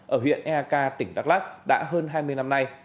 ở huyện ek tỉnh đắk lát đã hơn hai mươi năm nay